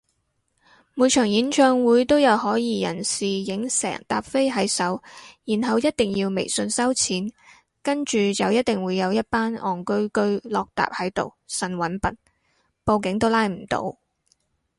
每場演唱會都有可疑人士影成疊飛喺手然後一定要微信收錢，跟住就一定會有一班戇居居落疊喺度呻搵笨，報警都拉唔到